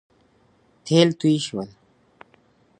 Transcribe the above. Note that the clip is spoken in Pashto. تېل توی شول